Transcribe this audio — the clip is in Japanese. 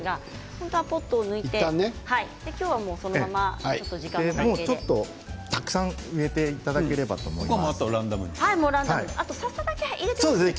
本当はポットを抜いて植えますが今日はたくさん植えていただければいいと思います。